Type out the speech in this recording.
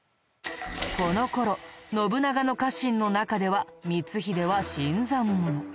この頃信長の家臣の中では光秀は新参者。